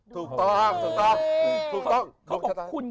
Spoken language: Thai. ถูกต้อง